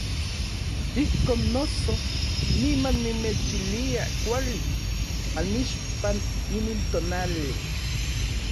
Ijkon noso, niman nimechilia kuali anmixpan inin tonali.